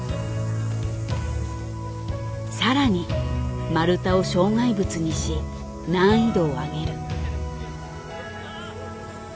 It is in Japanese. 更に丸太を障害物にし難易度を上げる。